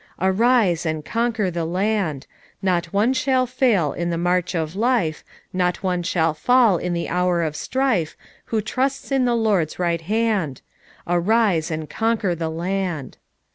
"Arise, and conquer the land! Not one shall fail in the march of life, Not one shall fall in the hour of strifo Who trusts in the Lord's right hand; Arise and conquer the land